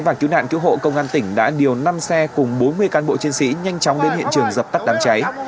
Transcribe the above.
và cứu nạn cứu hộ công an tỉnh đã điều năm xe cùng bốn mươi cán bộ chiến sĩ nhanh chóng đến hiện trường dập tắt đám cháy